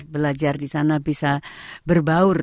belajar di sana bisa berbaur